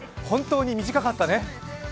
本当に短かったね。